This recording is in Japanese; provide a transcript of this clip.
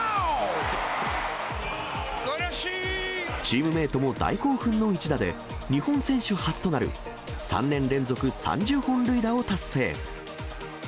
チームメートも大興奮の一打で、日本選手初となる３年連続３０本塁打を達成。